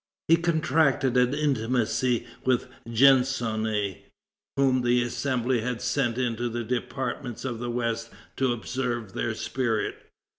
He contracted an intimacy with Gensonné, whom the Assembly had sent into the departments of the west to observe their spirit.